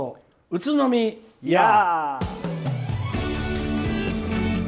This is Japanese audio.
宇都宮ァ！